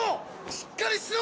しっかりしろ！